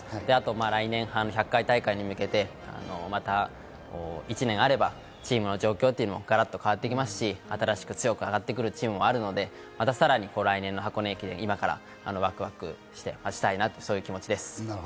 来年１００回大会に向けて１年あれば、チームの状況もガラッと変わってきますし、新しく強く上がってくるチームもあるので、またさらに来年の箱根駅伝、今からワクワクして待ちたいなという気持ちです。